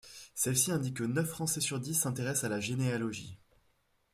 Celle-ci indique que neuf Français sur dix s'intéressent à la généalogie.